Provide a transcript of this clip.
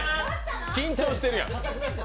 緊張してるやん。